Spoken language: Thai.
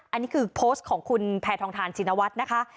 อันนี้คือโพสต์ของคุณแพทองทานชินวัฒน์นะคะ